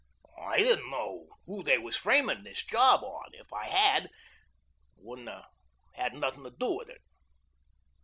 "I didn't know who they were framin' this job on. If I had I wouldn't have had nothin' to do with it.